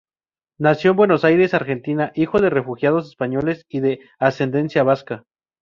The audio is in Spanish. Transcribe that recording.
Nació en Buenos Aires, Argentina, hijo de refugiados españoles y de ascendencia vasca.